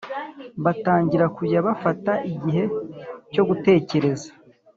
batangira kujya bafata igihe cyo gutekereza